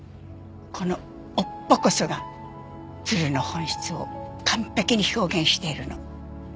この尾っぽこそが鶴の本質を完璧に表現しているの。